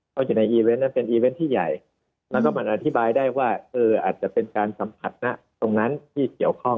เขาอยู่ในอีเวนต์นั้นเป็นอีเวนต์ที่ใหญ่แล้วก็มันอธิบายได้ว่าอาจจะเป็นการสัมผัสนะตรงนั้นที่เกี่ยวข้อง